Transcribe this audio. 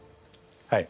はい。